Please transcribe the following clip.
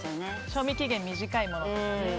賞味期限短いものとかね。